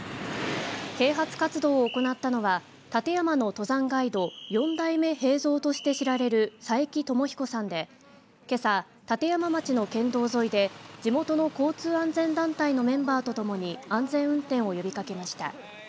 啓発活動を行ったのは立山の登山ガイド４代目平蔵として知られる佐伯知彦さんでけさ、立山町の県道沿いで地元の交通安全団体のメンバーと共に安全運転を呼びかけました。